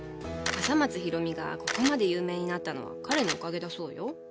笠松ひろみがここまで有名になったのは彼のおかげだそうよ。